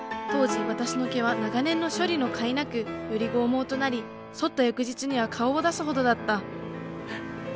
当時私の毛は長年の処理のかいなくより剛毛となり剃った翌日には顔を出すほどだった。